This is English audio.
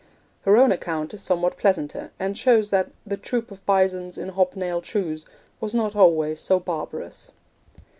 Her own account is somewhat pleasanter, and shows that 'the troop of bisons in hob nailed shoes' was not always so barbarous.